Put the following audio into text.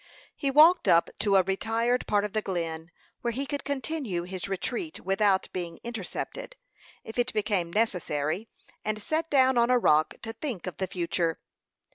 He walked up to a retired part of the Glen, where he could continue his retreat without being intercepted, if it became necessary, and sat down on a rock to think of the future.